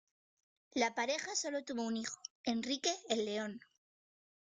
La pareja sólo tuvo un hijo, Enrique el León.